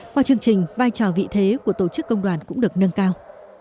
qua chương trình vai trò vị thế của tổ chức công đoàn cũng được nâng cao